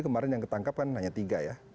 kemarin yang ketangkap kan hanya tiga ya